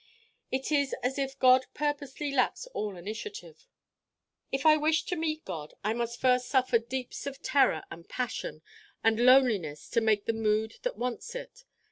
It is as if God purposely lacks all initiative. If I wish to meet God I must first suffer deeps of terror and passion and loneliness to make the mood that wants it.